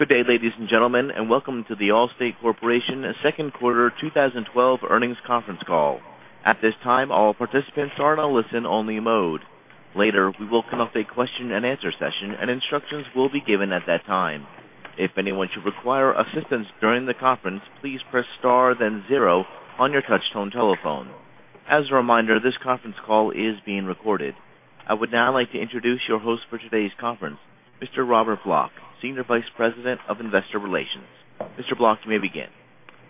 Good day, ladies and gentlemen, and welcome to The Allstate Corporation Second Quarter 2012 Earnings Conference Call. At this time, all participants are in a listen-only mode. Later, we will conduct a question-and-answer session, and instructions will be given at that time. If anyone should require assistance during the conference, please press star then 0 on your touchtone telephone. As a reminder, this conference call is being recorded. I would now like to introduce your host for today's conference, Mr. Robert Block, Senior Vice President of Investor Relations. Mr. Block, you may begin.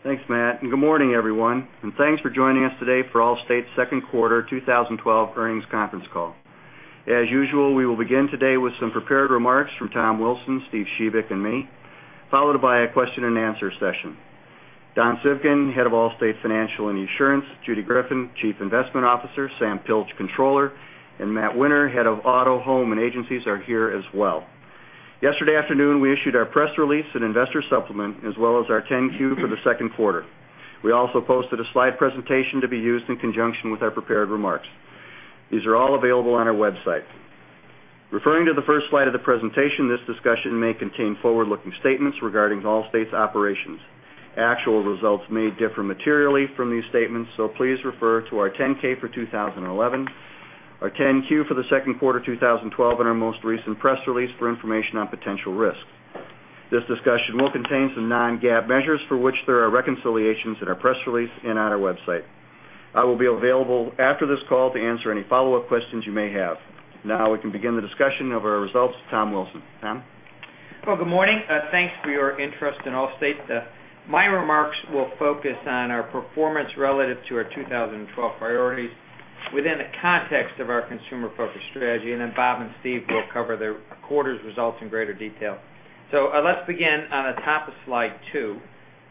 Thanks, Matt, good morning, everyone, and thanks for joining us today for Allstate's Second Quarter 2012 Earnings Conference Call. As usual, we will begin today with some prepared remarks from Tom Wilson, Steve Shebik, and me, followed by a question-and-answer session. Don Civgin, Head of Allstate Financial and Esurance, Judy Greffin, Chief Investment Officer, Sam Pilch, Controller, and Matt Winter, Head of Auto, Home, and Agencies, are here as well. Yesterday afternoon, we issued our press release and investor supplement, as well as our 10-Q for the second quarter. We also posted a slide presentation to be used in conjunction with our prepared remarks. These are all available on our website. Referring to the first slide of the presentation, this discussion may contain forward-looking statements regarding Allstate's operations. Actual results may differ materially from these statements, please refer to our 10-K for 2011, our 10-Q for the second quarter of 2012, and our most recent press release for information on potential risks. This discussion will contain some non-GAAP measures for which there are reconciliations in our press release and on our website. I will be available after this call to answer any follow-up questions you may have. We can begin the discussion of our results with Tom Wilson. Tom? Good morning. Thanks for your interest in Allstate. My remarks will focus on our performance relative to our 2012 priorities within the context of our consumer-focused strategy, Bob and Steve will cover the quarter's results in greater detail. Let's begin on the top of Slide 2.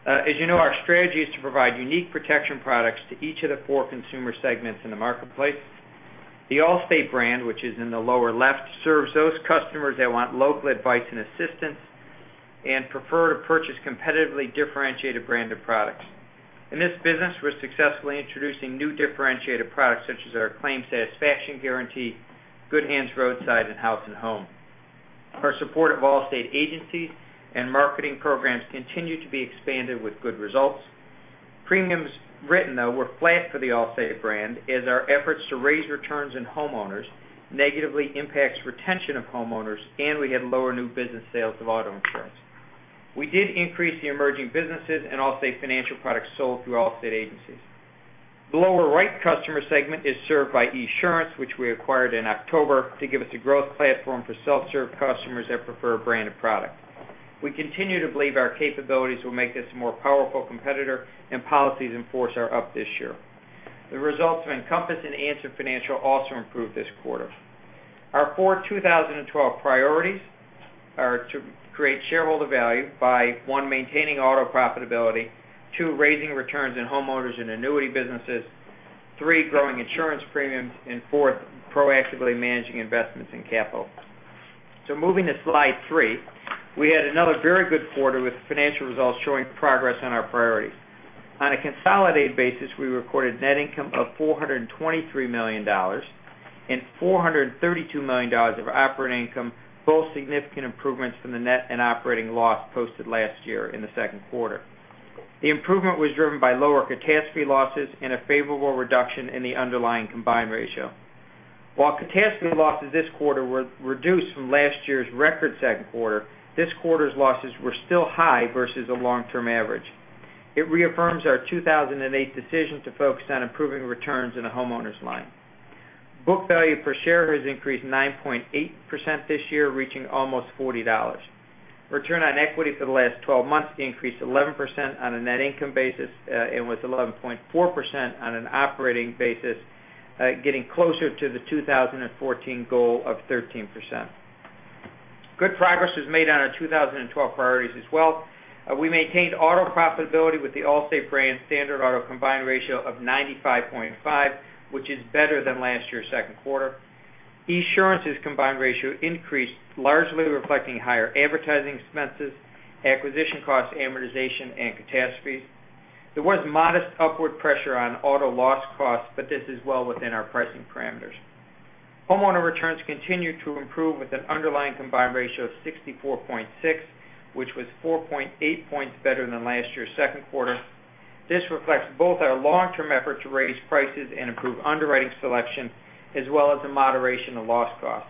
As you know, our strategy is to provide unique protection products to each of the four consumer segments in the marketplace. The Allstate brand, which is in the lower left, serves those customers that want local advice and assistance and prefer to purchase competitively differentiated brand of products. In this business, we're successfully introducing new differentiated products such as our Claim Satisfaction Guarantee, Good Hands Roadside Assistance and House and Home. Our support of Allstate agencies and marketing programs continue to be expanded with good results. Premiums written, though, were flat for the Allstate brand, as our efforts to raise returns in homeowners negatively impacts retention of homeowners, and we had lower new business sales of auto insurance. We did increase the emerging businesses and Allstate Financial products sold through Allstate agencies. The lower right customer segment is served by Esurance, which we acquired in October to give us a growth platform for self-serve customers that prefer a brand of product. We continue to believe our capabilities will make this a more powerful competitor, and policies in force are up this year. The results of Encompass and Answer Financial also improved this quarter. Our four 2012 priorities are to create shareholder value by, one, maintaining auto profitability, two, raising returns in homeowners and annuity businesses, three, growing insurance premiums, and fourth, proactively managing investments in capital. Moving to Slide 3, we had another very good quarter with financial results showing progress on our priorities. On a consolidated basis, we recorded net income of $423 million and $432 million of operating income, both significant improvements from the net and operating loss posted last year in the second quarter. The improvement was driven by lower catastrophe losses and a favorable reduction in the underlying combined ratio. While catastrophe losses this quarter were reduced from last year's record second quarter, this quarter's losses were still high versus the long-term average. It reaffirms our 2008 decision to focus on improving returns in the homeowners line. Book value per share has increased 9.8% this year, reaching almost $40. Return on equity for the last 12 months increased 11% on a net income basis and was 11.4% on an operating basis, getting closer to the 2014 goal of 13%. Good progress was made on our 2012 priorities as well. We maintained auto profitability with the Allstate brand standard auto combined ratio of 95.5%, which is better than last year's second quarter. Esurance's combined ratio increased, largely reflecting higher advertising expenses, acquisition cost amortization, and catastrophes. There was modest upward pressure on auto loss costs, but this is well within our pricing parameters. Homeowner returns continued to improve with an underlying combined ratio of 64.6%, which was 4.8 points better than last year's second quarter. This reflects both our long-term effort to raise prices and improve underwriting selection, as well as the moderation of loss costs.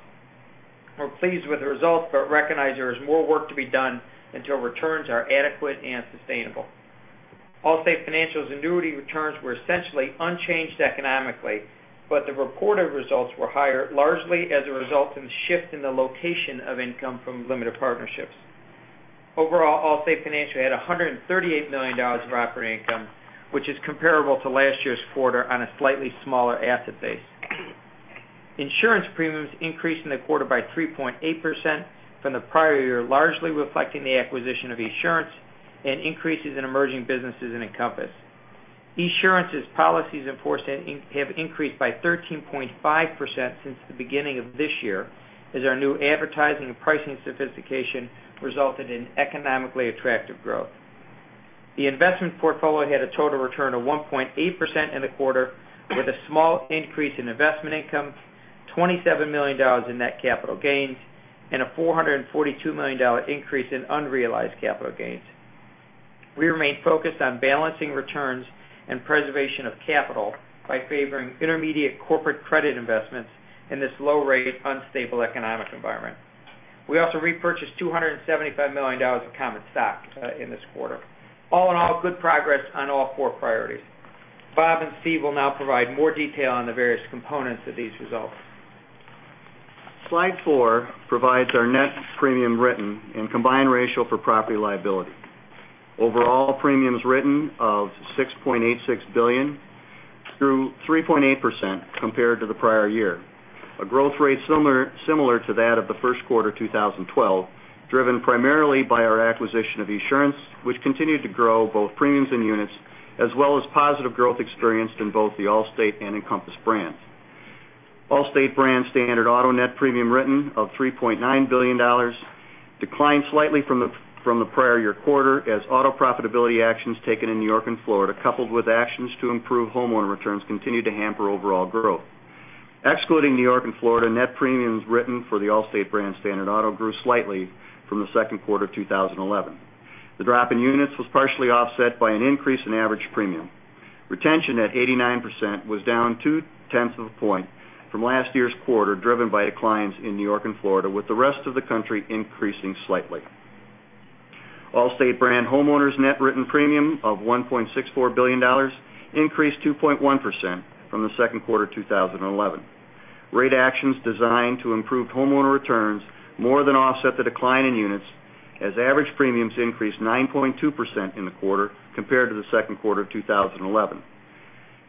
We're pleased with the results but recognize there is more work to be done until returns are adequate and sustainable. Allstate Financial's annuity returns were essentially unchanged economically, but the reported results were higher, largely as a result of the shift in the location of income from limited partnerships. Overall, Allstate Financial had $138 million of operating income, which is comparable to last year's quarter on a slightly smaller asset base. Insurance premiums increased in the quarter by 3.8% from the prior year, largely reflecting the acquisition of Esurance and increases in emerging businesses in Encompass. Esurance's policies in force have increased by 13.5% since the beginning of this year, as our new advertising and pricing sophistication resulted in economically attractive growth. The investment portfolio had a total return of 1.8% in the quarter with a small increase in investment income, $27 million in net capital gains, and a $442 million increase in unrealized capital gains. We remain focused on balancing returns and preservation of capital by favoring intermediate corporate credit investments in this low-rate, unstable economic environment. We also repurchased $275 million of common stock in this quarter. All in all, good progress on all four priorities. Bob and Steve will now provide more detail on the various components of these results. Slide four provides our net premium written and combined ratio for property and liability. Overall premiums written of $6.86 billion through 3.8% compared to the prior year, a growth rate similar to that of the first quarter 2012, driven primarily by our acquisition of Esurance, which continued to grow both premiums and units, as well as positive growth experienced in both the Allstate and Encompass brands. Allstate brand standard auto net premium written of $3.9 billion declined slightly from the prior year quarter as auto profitability actions taken in N.Y. and Florida, coupled with actions to improve homeowner returns, continued to hamper overall growth. Excluding N.Y. and Florida, net premiums written for the Allstate brand standard auto grew slightly from the second quarter of 2011. The drop in units was partially offset by an increase in average premium. Retention at 89% was down two-tenths of a point from last year's quarter, driven by declines in N.Y. and Florida, with the rest of the country increasing slightly. Allstate brand homeowners net written premium of $1.64 billion increased 2.1% from the second quarter 2011. Rate actions designed to improve homeowner returns more than offset the decline in units, as average premiums increased 9.2% in the quarter compared to the second quarter of 2011.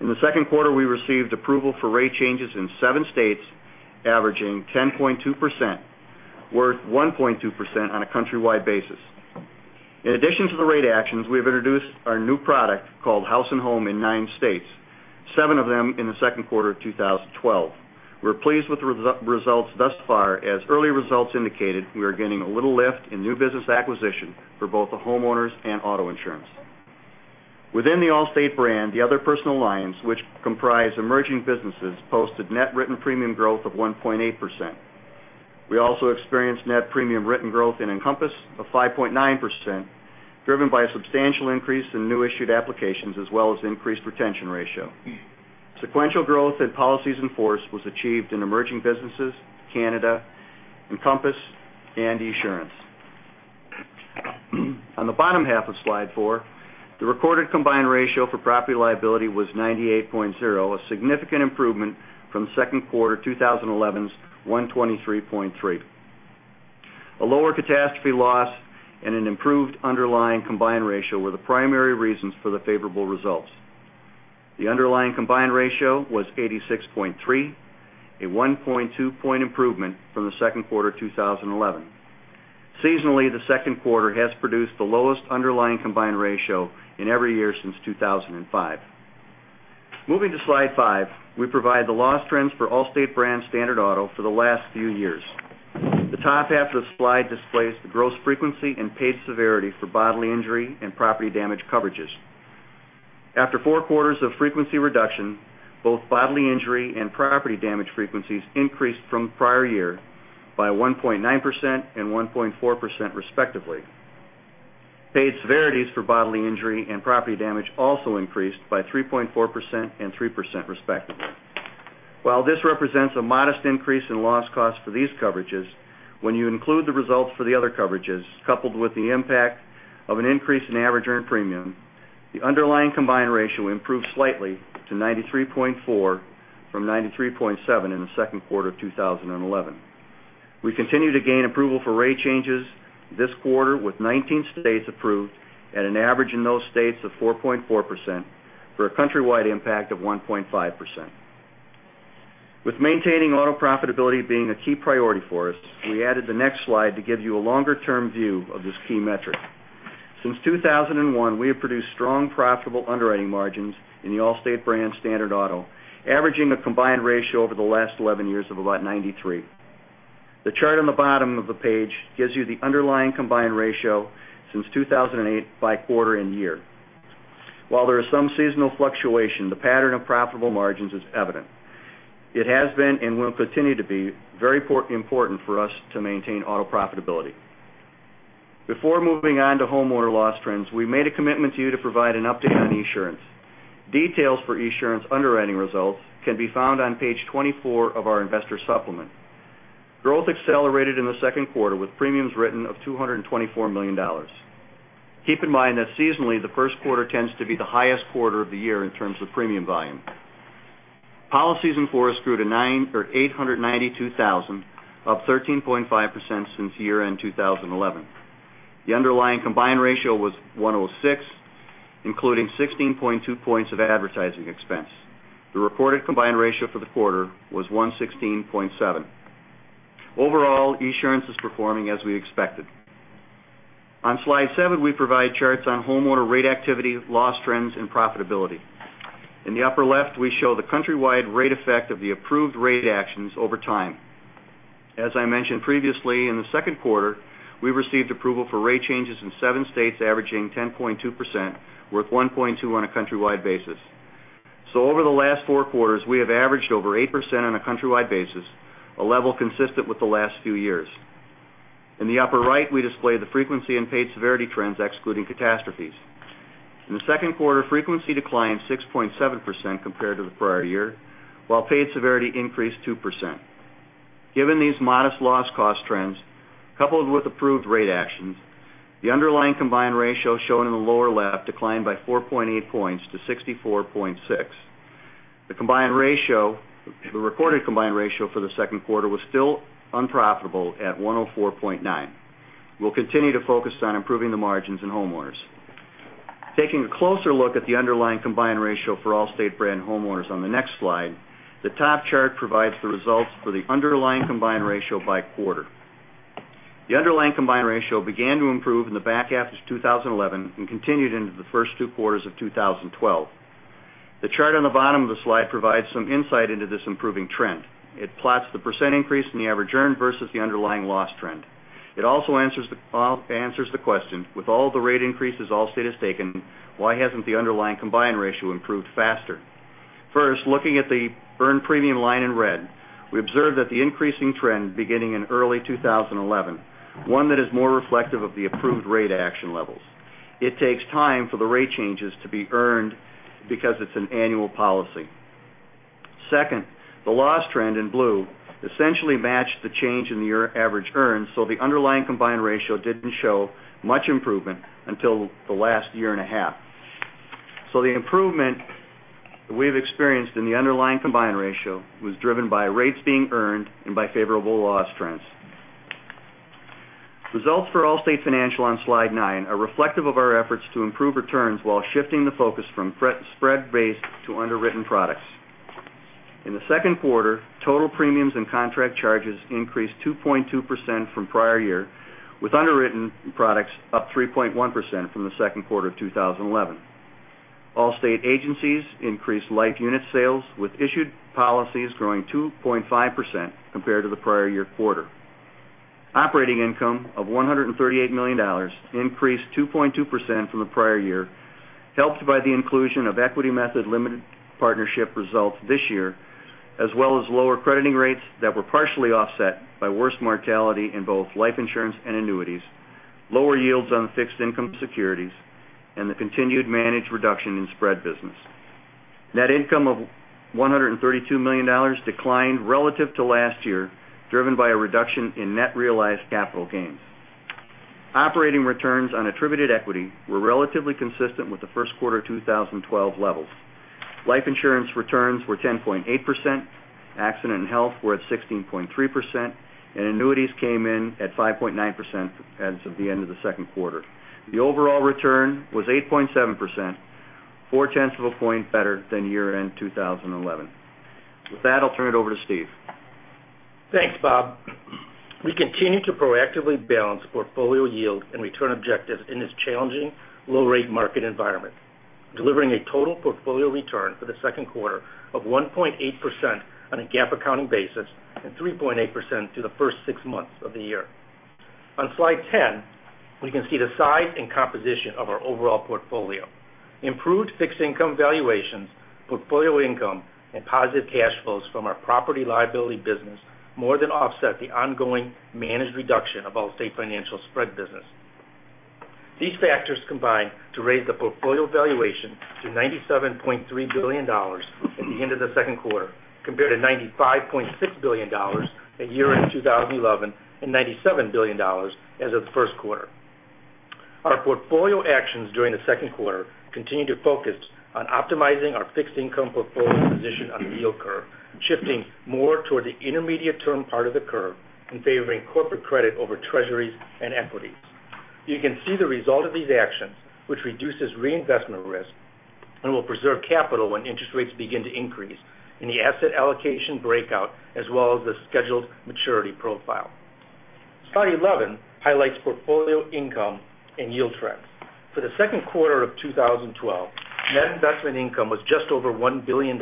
In the second quarter, we received approval for rate changes in seven states, averaging 10.2%, worth 1.2% on a countrywide basis. In addition to the rate actions, we have introduced our new product called House and Home in nine states, seven of them in the second quarter of 2012. We're pleased with the results thus far, as early results indicated we are getting a little lift in new business acquisition for both the homeowners and auto insurance. Within the Allstate brand, the other personal lines, which comprise emerging businesses, posted net written premium growth of 1.8%. We also experienced net premium written growth in Encompass of 5.9%, driven by a substantial increase in new issued applications as well as increased retention ratio. Sequential growth in policies in force was achieved in emerging businesses, Canada, Encompass, and Esurance. On the bottom half of slide four, the recorded combined ratio for property and liability was 98.0, a significant improvement from second quarter 2011's 123.3. A lower catastrophe loss and an improved underlying combined ratio were the primary reasons for the favorable results. The underlying combined ratio was 86.3, a 1.2 point improvement from the second quarter of 2011. Seasonally, the second quarter has produced the lowest underlying combined ratio in every year since 2005. Moving to slide five, we provide the loss trends for Allstate brand standard auto for the last few years. The top half of the slide displays the gross frequency and paid severity for bodily injury and property damage coverages. After four quarters of frequency reduction, both bodily injury and property damage frequencies increased from prior year by 1.9% and 1.4% respectively. Paid severities for bodily injury and property damage also increased by 3.4% and 3% respectively. While this represents a modest increase in loss cost for these coverages, when you include the results for the other coverages, coupled with the impact of an increase in average earned premium, the underlying combined ratio improved slightly to 93.4 from 93.7 in the second quarter of 2011. We continue to gain approval for rate changes this quarter, with 19 states approved at an average in those states of 4.4%, for a countrywide impact of 1.5%. With maintaining auto profitability being a key priority for us, we added the next slide to give you a longer-term view of this key metric. Since 2001, we have produced strong, profitable underwriting margins in the Allstate brand standard auto, averaging a combined ratio over the last 11 years of about 93. The chart on the bottom of the page gives you the underlying combined ratio since 2008 by quarter and year. While there is some seasonal fluctuation, the pattern of profitable margins is evident. It has been and will continue to be very important for us to maintain auto profitability. Before moving on to homeowner loss trends, we made a commitment to you to provide an update on Esurance. Details for Esurance underwriting results can be found on page 24 of our investor supplement. Growth accelerated in the second quarter with premiums written of $224 million. Keep in mind that seasonally, the first quarter tends to be the highest quarter of the year in terms of premium volume. Policies in force grew to 892,000, up 13.5% since year-end 2011. The underlying combined ratio was 106, including 16.2 points of advertising expense. The reported combined ratio for the quarter was 116.7. Overall, Esurance is performing as we expected. On slide seven, we provide charts on homeowner rate activity, loss trends, and profitability. In the upper left, we show the countrywide rate effect of the approved rate actions over time. As I mentioned previously, in the second quarter, we received approval for rate changes in seven states averaging 10.2%, worth 1.2% on a countrywide basis. Over the last four quarters, we have averaged over 8% on a countrywide basis, a level consistent with the last few years. In the upper right, we display the frequency and paid severity trends excluding catastrophes. In the second quarter, frequency declined 6.7% compared to the prior year, while paid severity increased 2%. Given these modest loss cost trends, coupled with approved rate actions, the underlying combined ratio shown in the lower left declined by 4.8 points to 64.6. The recorded combined ratio for the second quarter was still unprofitable at 104.9. We'll continue to focus on improving the margins in homeowners. Taking a closer look at the underlying combined ratio for Allstate brand homeowners on the next slide, the top chart provides the results for the underlying combined ratio by quarter. The underlying combined ratio began to improve in the back half of 2011 and continued into the first two quarters of 2012. The chart on the bottom of the slide provides some insight into this improving trend. It plots the percent increase in the average earn versus the underlying loss trend. It also answers the question, with all the rate increases Allstate has taken, why hasn't the underlying combined ratio improved faster? Looking at the earn premium line in red, we observed that the increasing trend beginning in early 2011, one that is more reflective of the approved rate action levels. It takes time for the rate changes to be earned because it's an annual policy. The loss trend in blue essentially matched the change in your average earn, so the underlying combined ratio didn't show much improvement until the last year and a half. The improvement we've experienced in the underlying combined ratio was driven by rates being earned and by favorable loss trends. Results for Allstate Financial on slide nine are reflective of our efforts to improve returns while shifting the focus from spread-based to underwritten products. In the second quarter, total premiums and contract charges increased 2.2% from prior year, with underwritten products up 3.1% from the second quarter of 2011. Allstate agencies increased life unit sales, with issued policies growing 2.5% compared to the prior year quarter. Operating income of $138 million increased 2.2% from the prior year, helped by the inclusion of equity method limited partnership results this year, as well as lower crediting rates that were partially offset by worse mortality in both life insurance and annuities, lower yields on fixed-income securities, and the continued managed reduction in spread business. Net income of $132 million declined relative to last year, driven by a reduction in net realized capital gains. Operating returns on attributed equity were relatively consistent with the first quarter 2012 levels. Life insurance returns were 10.8%, accident and health were at 16.3%, and annuities came in at 5.9% as of the end of the second quarter. The overall return was 8.7%, four tenths of a point better than year-end 2011. With that, I'll turn it over to Steve. Thanks, Bob. We continue to proactively balance portfolio yield and return objectives in this challenging low-rate market environment, delivering a total portfolio return for the second quarter of 1.8% on a GAAP accounting basis and 3.8% through the first six months of the year. On slide 10, we can see the size and composition of our overall portfolio. Improved fixed-income valuations, portfolio income, and positive cash flows from our property liability business more than offset the ongoing managed reduction of Allstate Financial's spread business. These factors combine to raise the portfolio valuation to $97.3 billion at the end of the second quarter, compared to $95.6 billion at year-end 2011 and $97 billion as of the first quarter. Our portfolio actions during the second quarter continued to focus on optimizing our fixed-income portfolio position on the yield curve, shifting more toward the intermediate term part of the curve and favoring corporate credit over treasuries and equities. You can see the result of these actions, which reduces reinvestment risk and will preserve capital when interest rates begin to increase in the asset allocation breakout as well as the scheduled maturity profile. Slide 11 highlights portfolio income and yield trends. For the second quarter of 2012, net investment income was just over $1 billion,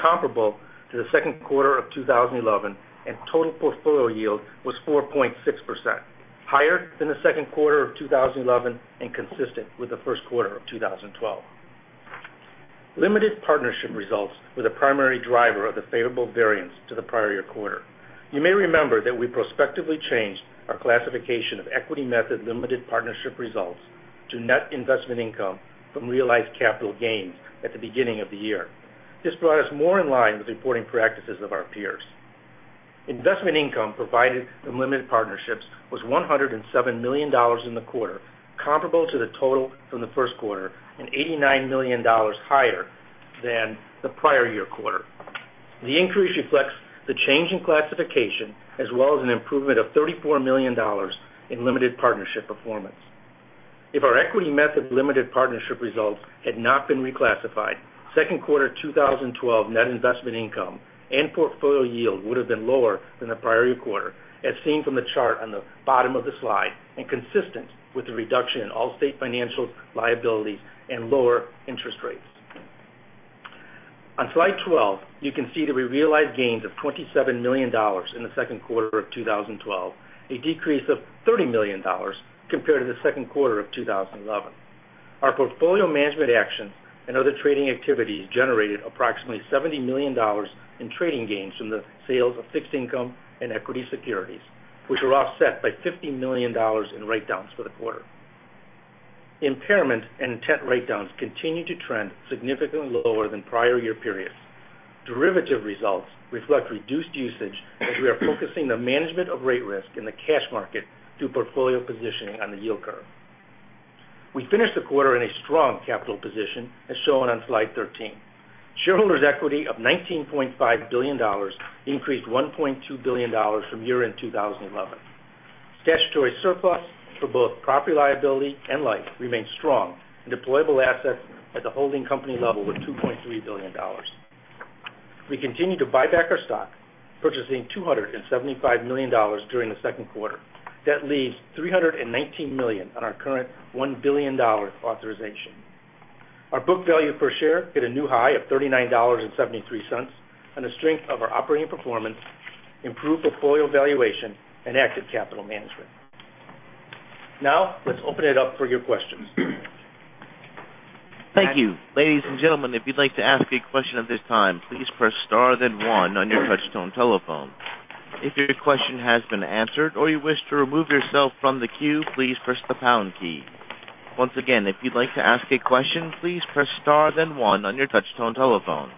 comparable to the second quarter of 2011, and total portfolio yield was 4.6%, higher than the second quarter of 2011 and consistent with the first quarter of 2012. Limited partnership results were the primary driver of the favorable variance to the prior year quarter. You may remember that we prospectively changed our classification of equity method limited partnership results to net investment income from realized capital gains at the beginning of the year. This brought us more in line with reporting practices of our peers. Investment income provided from limited partnerships was $107 million in the quarter, comparable to the total from the first quarter and $89 million higher than the prior year quarter. The increase reflects the change in classification as well as an improvement of $34 million in limited partnership performance. If our equity method limited partnership results had not been reclassified, second quarter 2012 net investment income and portfolio yield would have been lower than the prior year quarter, as seen from the chart on the bottom of the slide, and consistent with the reduction in Allstate Financial's liabilities and lower interest rates. On slide 12, you can see that we realized gains of $27 million in the second quarter of 2012, a decrease of $30 million compared to the second quarter of 2011. Our portfolio management actions and other trading activities generated approximately $70 million in trading gains from the sales of fixed income and equity securities, which were offset by $50 million in write-downs for the quarter. Impairment and intent write-downs continue to trend significantly lower than prior year periods. Derivative results reflect reduced usage as we are focusing the management of rate risk in the cash market through portfolio positioning on the yield curve. We finished the quarter in a strong capital position, as shown on slide 13. Shareholders' equity of $19.5 billion increased $1.2 billion from year-end 2011. Statutory surplus for both property liability and life remains strong, and deployable assets at the holding company level were $2.3 billion. We continue to buy back our stock, purchasing $275 million during the second quarter. That leaves $319 million on our current $1 billion authorization. Our book value per share hit a new high of $39.73 on the strength of our operating performance, improved portfolio valuation, and active capital management. Now, let's open it up for your questions. Thank you. Ladies and gentlemen, if you'd like to ask a question at this time, please press star then one on your touch-tone telephone. If your question has been answered or you wish to remove yourself from the queue, please press the pound key. Once again, if you'd like to ask a question, please press star then one on your touch-tone telephone.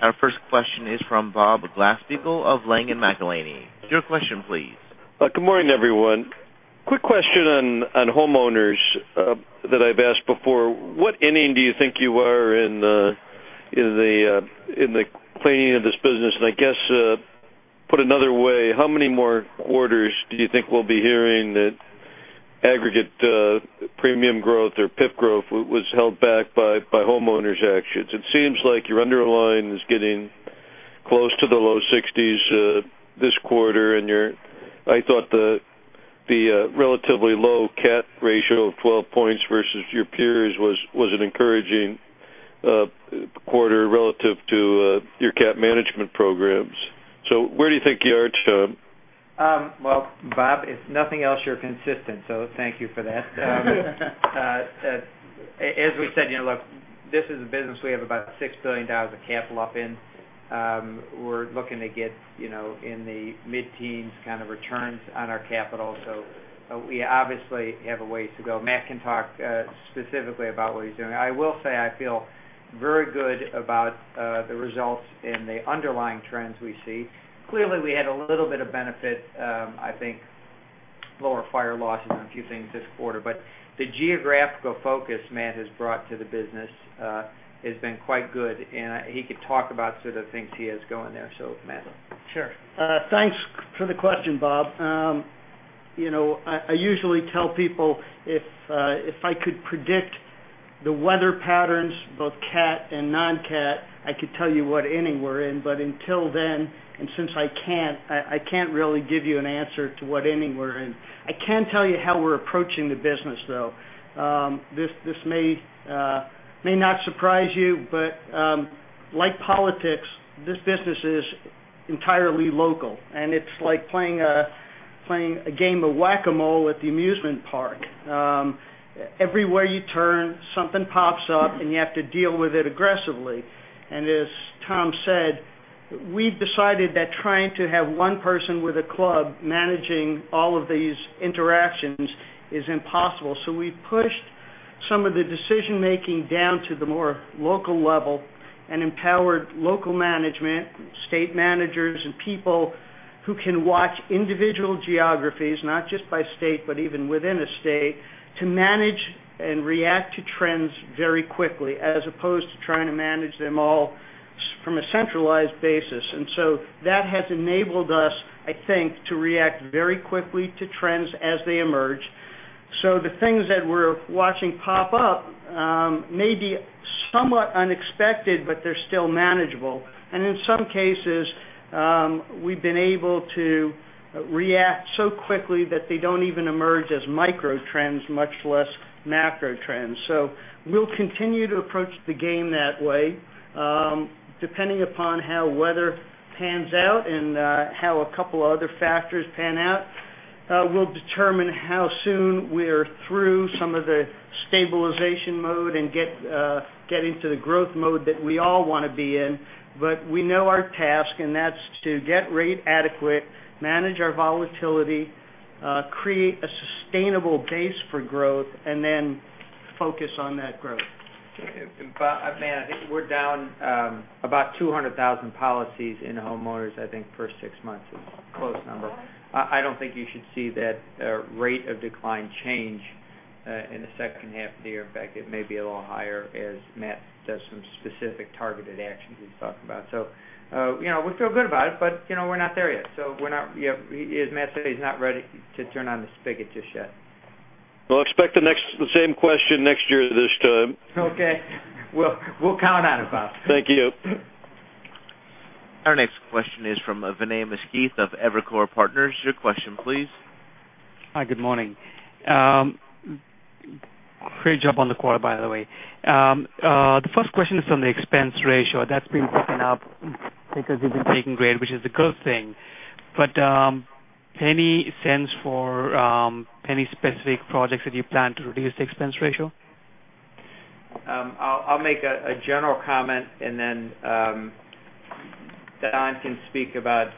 Our first question is from Bob Glasspiegel of Langen McAlenney. Your question, please. Good morning, everyone. Quick question on homeowners that I've asked before. What inning do you think you are in the cleaning of this business? I guess, put another way, how many more quarters do you think we'll be hearing that aggregate premium growth or PIP growth was held back by homeowners' actions? It seems like your underlying is getting close to the low 60s this quarter, and I thought the relatively low cat ratio of 12 points versus your peers was an encouraging quarter relative to your cat management programs. Where do you think you are, Tom? Well, Bob, if nothing else, you're consistent, thank you for that. As we said, this is a business we have about $6 billion of capital up in. We're looking to get in the mid-teens kind of returns on our capital. We obviously have a way to go. Matt can talk specifically about what he's doing. I will say I feel very good about the results and the underlying trends we see. Clearly, we had a little bit of benefit, I think lower fire losses on a few things this quarter. The geographical focus Matt has brought to the business has been quite good, he could talk about sort of things he has going there. Matt. Sure. Thanks for the question, Bob. I usually tell people if I could predict the weather patterns, both cat and non-cat, I could tell you what inning we're in. Until then, since I can't, I can't really give you an answer to what inning we're in. I can tell you how we're approaching the business, though. This may not surprise you, like politics, this business is entirely local, it's like playing a game of Whac-A-Mole at the amusement park. Everywhere you turn, something pops up, you have to deal with it aggressively. As Tom said, we've decided that trying to have one person with a club managing all of these interactions is impossible. We pushed some of the decision-making down to the more local level and empowered local management, state managers, and people who can watch individual geographies, not just by state, but even within a state, to manage and react to trends very quickly, as opposed to trying to manage them all from a centralized basis. That has enabled us, I think, to react very quickly to trends as they emerge. The things that we're watching pop up may be somewhat unexpected, but they're still manageable. In some cases, we've been able to react so quickly that they don't even emerge as micro trends, much less macro trends. We'll continue to approach the game that way. Depending upon how weather pans out and how a couple of other factors pan out, we'll determine how soon we're through some of the stabilization mode and get into the growth mode that we all want to be in. We know our task, and that's to get rate adequate, manage our volatility, create a sustainable base for growth, then focus on that growth. Bob, Matt, I think we're down about 200,000 policies in the homeowners, I think first six months is a close number. I don't think you should see that rate of decline change in the second half of the year. In fact, it may be a little higher as Matt does some specific targeted actions he's talking about. We feel good about it, but we're not there yet. As Matt said, he's not ready to turn on the spigot just yet. Expect the same question next year at this time. Okay. We'll count on it, Bob. Thank you. Our next question is from Vinay Misquith of Evercore Partners. Your question, please? Hi, good morning. Great job on the quarter, by the way. The first question is on the expense ratio. That's been picking up because you've been taking rate, which is a good thing. Any sense for any specific projects that you plan to reduce the expense ratio? I'll make a general comment. Don can speak about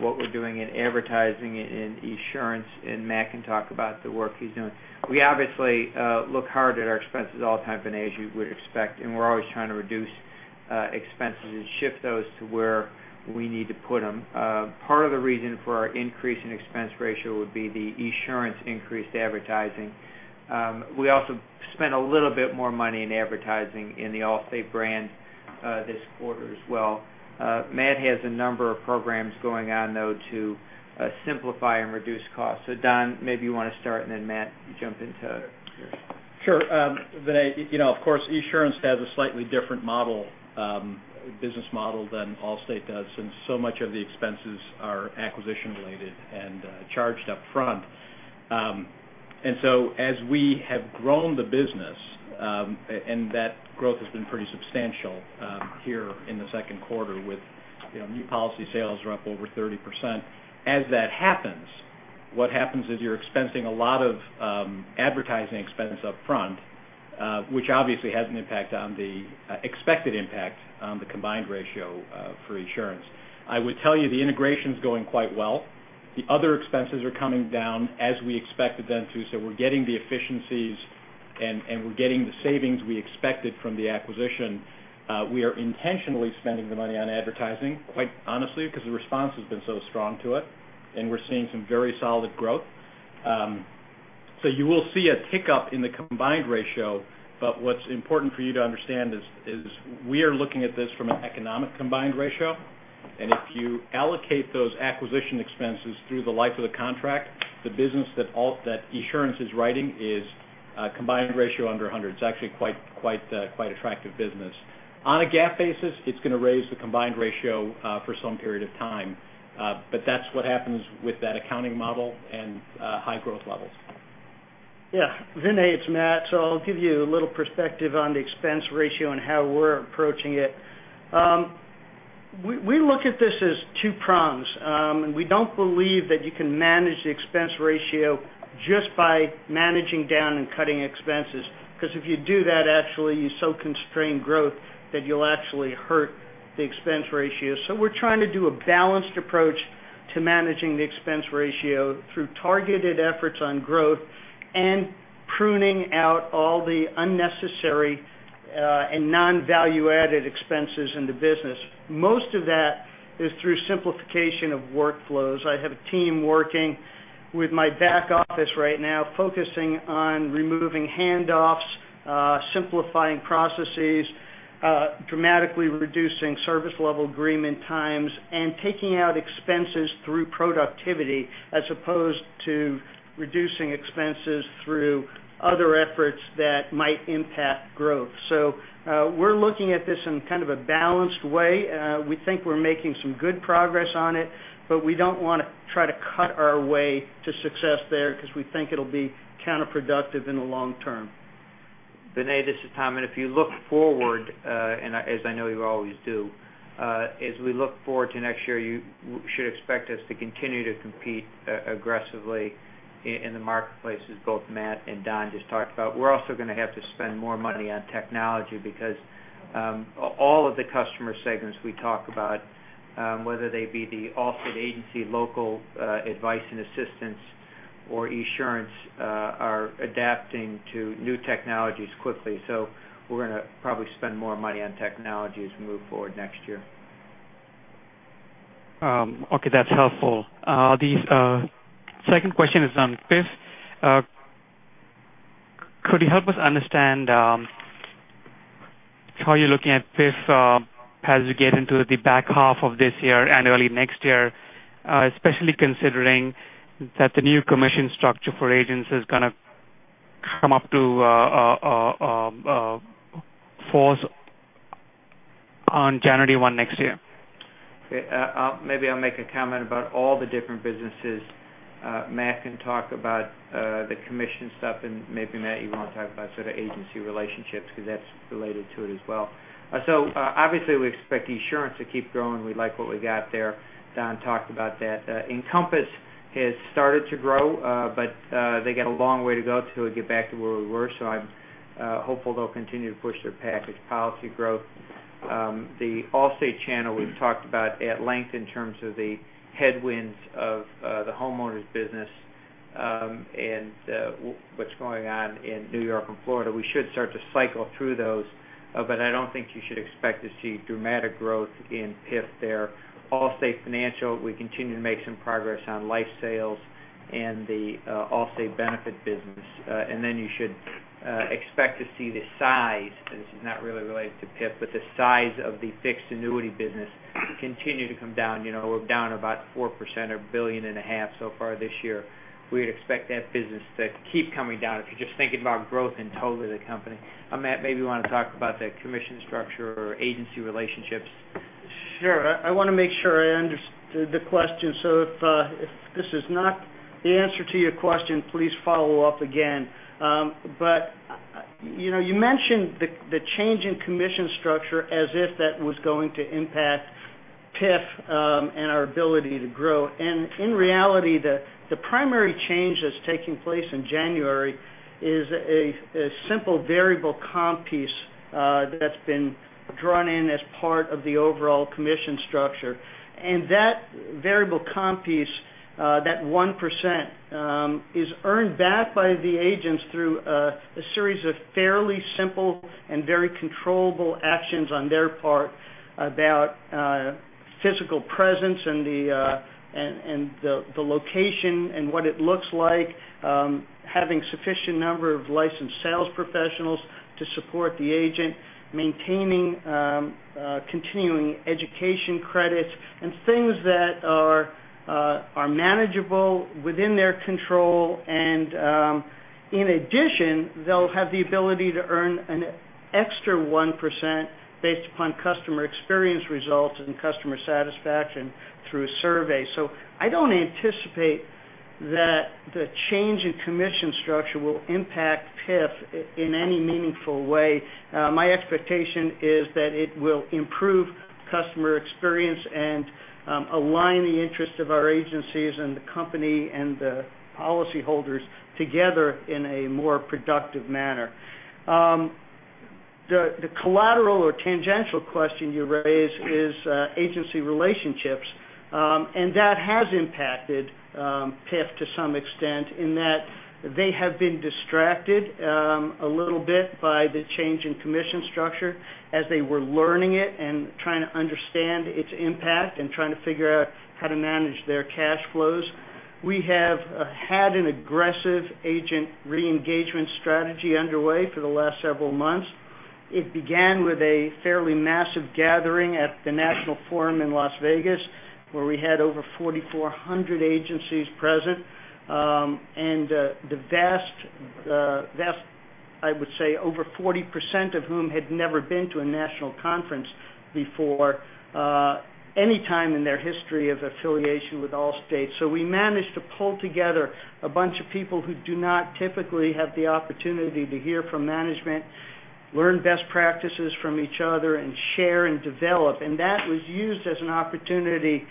what we're doing in advertising in Esurance. Matt can talk about the work he's doing. We obviously look hard at our expenses all the time, Vinay, as you would expect. We're always trying to reduce expenses and shift those to where we need to put them. Part of the reason for our increase in expense ratio would be the Esurance increased advertising. We also spent a little bit more money in advertising in the Allstate brand this quarter as well. Matt has a number of programs going on, though, to simplify and reduce costs. Don, maybe you want to start. Matt, you jump into yours. Sure. Vinay, of course, Esurance has a slightly different business model than Allstate does, since so much of the expenses are acquisition related and charged up front. As we have grown the business, that growth has been pretty substantial here in the second quarter with new policy sales are up over 30%. As that happens, what happens is you're expensing a lot of advertising expense up front, which obviously has an impact on the expected impact on the combined ratio for Esurance. I would tell you the integration's going quite well. The other expenses are coming down as we expected them to. We're getting the efficiencies, and we're getting the savings we expected from the acquisition. We are intentionally spending the money on advertising, quite honestly, because the response has been so strong to it, and we're seeing some very solid growth. You will see a tick up in the combined ratio. What's important for you to understand is we are looking at this from an economic combined ratio. If you allocate those acquisition expenses through the life of the contract, the business that Esurance is writing is a combined ratio under 100. It's actually quite attractive business. On a GAAP basis, it's going to raise the combined ratio for some period of time. That's what happens with that accounting model and high growth levels. Yeah. Vinay, it's Matt. I'll give you a little perspective on the expense ratio and how we're approaching it. We look at this as two prongs. We don't believe that you can manage the expense ratio just by managing down and cutting expenses, because if you do that, actually, you so constrain growth that you'll actually hurt the expense ratio. We're trying to do a balanced approach to managing the expense ratio through targeted efforts on growth and pruning out all the unnecessary and non-value-added expenses in the business. Most of that is through simplification of workflows. I have a team working with my back office right now focusing on removing handoffs, simplifying processes, dramatically reducing service level agreement times, and taking out expenses through productivity as opposed to reducing expenses through other efforts that might impact growth. We're looking at this in kind of a balanced way. We think we're making some good progress on it, but we don't want to try to cut our way to success there because we think it'll be counterproductive in the long term. Vinay, this is Tom, and if you look forward, as I know you always do, as we look forward to next year, you should expect us to continue to compete aggressively in the marketplace as both Matt and Don just talked about. We're also going to have to spend more money on technology because all of the customer segments we talk about, whether they be the Allstate agency local advice and assistance or Esurance are adapting to new technologies quickly. We're going to probably spend more money on technology as we move forward next year. Okay, that's helpful. The second question is on PIF. Could you help us understand how you're looking at PIF as you get into the back half of this year and early next year, especially considering that the new commission structure for agents is going to come up to force on January one next year? Maybe I'll make a comment about all the different businesses. Matt can talk about the commission stuff, and maybe Matt, you want to talk about sort of agency relationships because that's related to it as well. Obviously we expect Esurance to keep growing. We like what we got there. Don talked about that. Encompass has started to grow, but they got a long way to go till we get back to where we were. I'm hopeful they'll continue to push their package policy growth. The Allstate channel we've talked about at length in terms of the headwinds of the homeowners business, and what's going on in New York and Florida. We should start to cycle through those, but I don't think you should expect to see dramatic growth in PIF there. Allstate Financial, we continue to make some progress on life sales and the Allstate Benefits business. You should expect to see the size, this is not really related to PIF, but the size of the fixed annuity business continue to come down. We're down about 4% or $1.5 billion so far this year. We'd expect that business to keep coming down if you're just thinking about growth in total of the company. Matt, maybe you want to talk about the commission structure or agency relationships. Sure. I want to make sure I understood the question. If this is not the answer to your question, please follow up again. You mentioned the change in commission structure as if that was going to impact PIF and our ability to grow. In reality, the primary change that's taking place in January is a simple variable comp piece that's been drawn in as part of the overall commission structure. That variable comp piece, that 1%, is earned back by the agents through a series of fairly simple and very controllable actions on their part about physical presence and the location and what it looks like, having sufficient number of licensed sales professionals to support the agent, maintaining continuing education credits, and things that are manageable within their control. In addition, they'll have the ability to earn an extra 1% based upon customer experience results and customer satisfaction through a survey. I don't anticipate that the change in commission structure will impact PIF in any meaningful way. My expectation is that it will improve customer experience and align the interests of our agencies and the company and the policyholders together in a more productive manner. The collateral or tangential question you raise is agency relationships. That has impacted PIF to some extent in that they have been distracted a little bit by the change in commission structure as they were learning it and trying to understand its impact and trying to figure out how to manage their cash flows. We have had an aggressive agent re-engagement strategy underway for the last several months. It began with a fairly massive gathering at the Allstate National Forum in Las Vegas, where we had over 4,400 agencies present. The vast, I would say, over 40% of whom had never been to a national conference before, any time in their history of affiliation with Allstate. We managed to pull together a bunch of people who do not typically have the opportunity to hear from management, learn best practices from each other and share and develop. That was used as an opportunity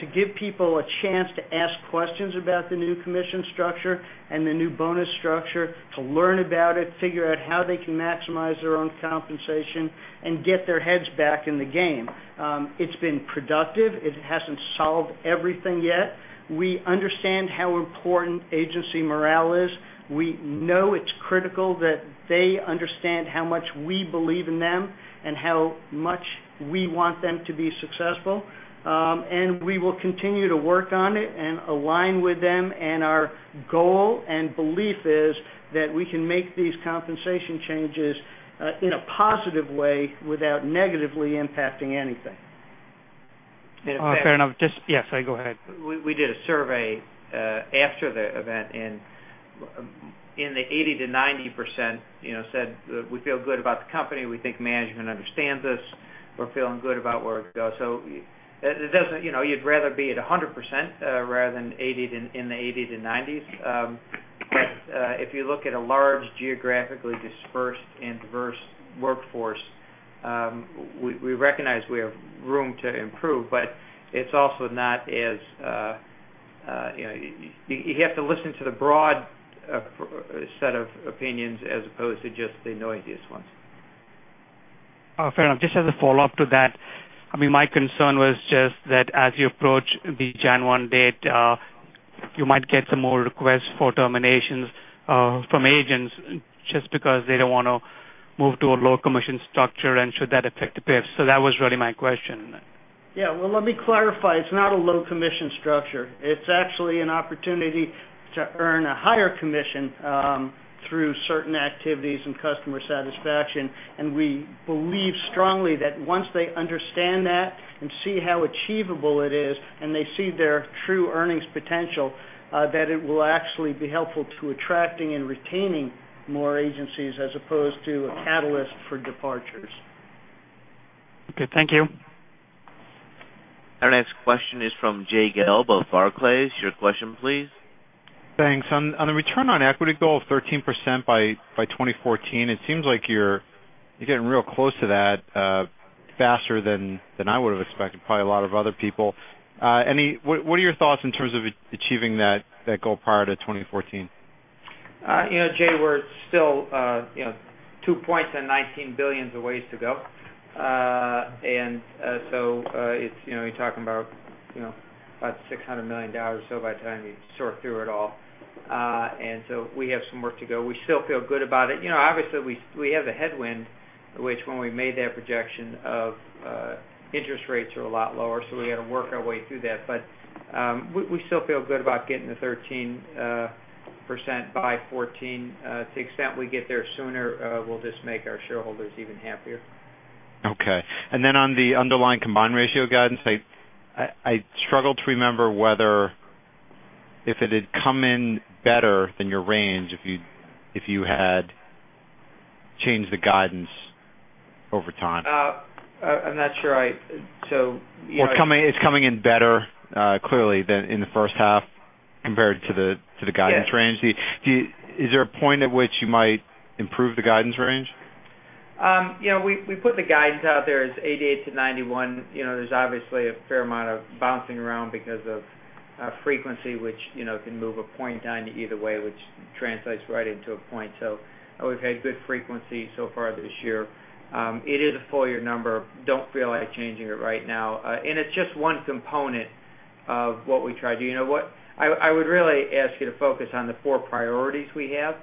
to give people a chance to ask questions about the new commission structure and the new bonus structure, to learn about it, figure out how they can maximize their own compensation, and get their heads back in the game. It's been productive. It hasn't solved everything yet. We understand how important agency morale is. We know it's critical that they understand how much we believe in them and how much we want them to be successful. We will continue to work on it and align with them. Our goal and belief is that we can make these compensation changes in a positive way without negatively impacting anything. Fair enough. Yes, go ahead. We did a survey after the event. In the 80%-90% said that we feel good about the company. We think management understands us. We're feeling good about where to go. You'd rather be at 100% rather than in the 80%-90%. If you look at a large geographically dispersed and diverse workforce, we recognize we have room to improve, but you have to listen to the broad set of opinions as opposed to just the noisiest ones. Fair enough. Just as a follow-up to that, my concern was just that as you approach the January 1 date, you might get some more requests for terminations from agents just because they don't want to move to a low commission structure, and should that affect the PIF. That was really my question. Yeah. Well, let me clarify. It's not a low commission structure. It's actually an opportunity to earn a higher commission through certain activities and customer satisfaction. We believe strongly that once they understand that and see how achievable it is, and they see their true earnings potential, that it will actually be helpful to attracting and retaining more agencies as opposed to a catalyst for departures. Okay. Thank you. Our next question is from Jay Gelb of Barclays. Your question, please. Thanks. On the return on equity goal of 13% by 2014, it seems like you're getting real close to that faster than I would have expected, probably a lot of other people. What are your thoughts in terms of achieving that goal prior to 2014? Jay, we're still two points and $19 billion a ways to go. You're talking about $600 million or so by the time you sort through it all. We have some work to go. We still feel good about it. Obviously, we have a headwind, which when we made that projection of interest rates are a lot lower, so we got to work our way through that. We still feel good about getting the 13% by 2014. To the extent we get there sooner, we'll just make our shareholders even happier. Okay. On the underlying combined ratio guidance, I struggle to remember whether If it had come in better than your range, if you had changed the guidance over time. I'm not sure. Well, it's coming in better, clearly, than in the first half compared to the guidance range. Yes. Is there a point at which you might improve the guidance range? We put the guidance out there as 88-91. There's obviously a fair amount of bouncing around because of frequency, which can move a point down either way, which translates right into a point. We've had good frequency so far this year. It is a full year number. Don't feel like changing it right now. It's just one component of what we try to do. You know what? I would really ask you to focus on the four priorities we have.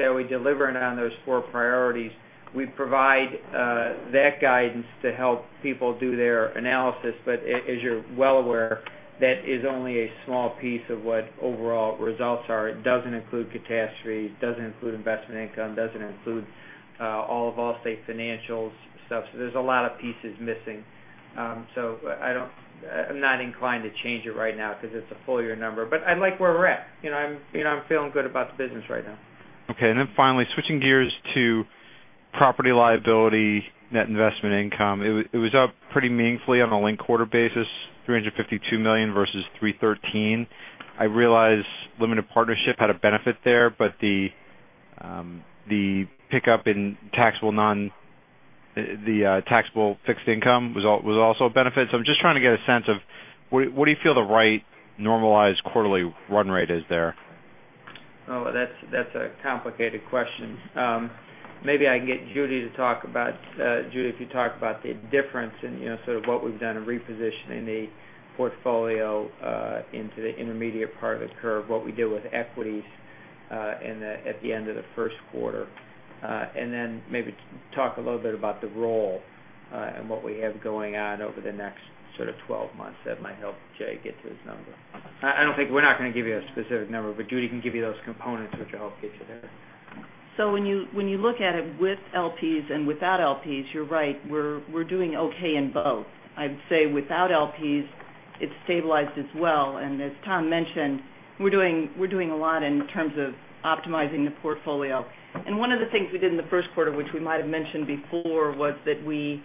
Are we delivering on those four priorities? We provide that guidance to help people do their analysis. As you're well aware, that is only a small piece of what overall results are. It doesn't include catastrophe, doesn't include investment income, doesn't include all of Allstate Financial stuff. There's a lot of pieces missing. I'm not inclined to change it right now because it's a full year number, but I like where we're at. I'm feeling good about the business right now. Okay. Then finally, switching gears to property liability, net investment income. It was up pretty meaningfully on a linked quarter basis, $352 million versus $313 million. I realize limited partnership had a benefit there, but the pickup in the taxable fixed income was also a benefit. I'm just trying to get a sense of what do you feel the right normalized quarterly run rate is there? Oh, that's a complicated question. Maybe I can get Judy to talk about, Judy, if you talk about the difference in sort of what we've done in repositioning the portfolio into the intermediate part of the curve, what we did with equities at the end of the first quarter. Maybe talk a little bit about the role, and what we have going on over the next sort of 12 months. That might help Jay get to his number. I don't think we're not going to give you a specific number, but Judy can give you those components, which will help get you there. When you look at it with LPs and without LPs, you're right, we're doing okay in both. I'd say without LPs, it's stabilized as well. As Tom mentioned, we're doing a lot in terms of optimizing the portfolio. One of the things we did in the first quarter, which we might have mentioned before, was that we